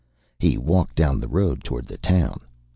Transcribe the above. He walked down the road toward the town.